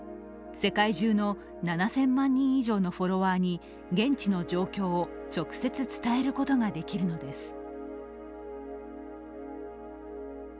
世界中の７０００万人以上のフォロワーに現地の状況を直接伝えることができるのです。